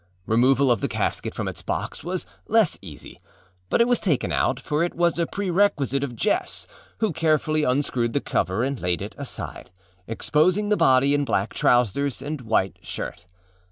Removal of the casket from its box was less easy, but it was taken out, for it was a perquisite of Jess, who carefully unscrewed the cover and laid it aside, exposing the body in black trousers and white shirt.